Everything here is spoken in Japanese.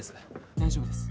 大丈夫です